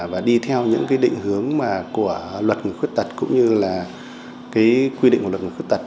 và đi theo những cái định hướng của luật người khuyết tật cũng như là cái quy định của luật người khuyết tật